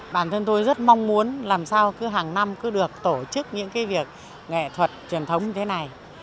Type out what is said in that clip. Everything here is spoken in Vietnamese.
bản thân tôi rất mong muốn làm sao cứ hàng năm cứ được tổ chức những cái việc nghệ thuật truyền thống như thế này